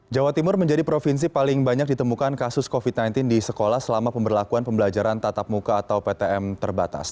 jawa timur menjadi provinsi paling banyak ditemukan kasus covid sembilan belas di sekolah selama pemberlakuan pembelajaran tatap muka atau ptm terbatas